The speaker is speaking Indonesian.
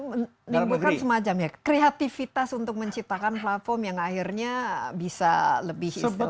menimbulkan semacam ya kreativitas untuk menciptakan platform yang akhirnya bisa lebih